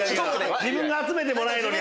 自分が集めてもないのに！